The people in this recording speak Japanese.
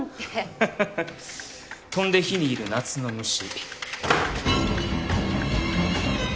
ハハハッ「飛んで火に入る夏の虫」。